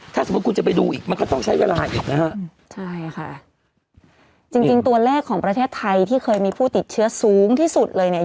ถ้าสมมุติคุณจะไปดูอีกมันก็ต้องใช้เวลาอีกนะฮะใช่ค่ะจริงจริงตัวเลขของประเทศไทยที่เคยมีผู้ติดเชื้อสูงที่สุดเลยเนี่ย